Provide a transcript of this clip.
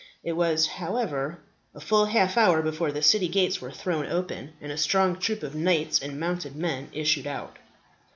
It was, however, a full half hour before the city gates were thrown open, and a strong troop of knights and mounted men issued out.